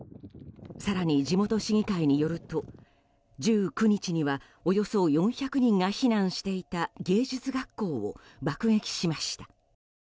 更に地元市議会によると１９日にはおよそ４００人が避難していた芸術学校を爆撃しました。